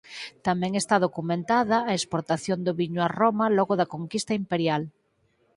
Tamén está documentada a exportación do viño a Roma logo da conquista imperial.